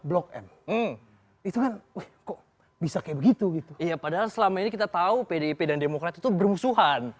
blog m itu bisa kayak gitu iya padahal selama ini kita tahu pdip dan demokrat itu bermusuhan